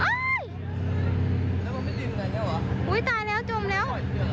ตายแล้วจมแล้ว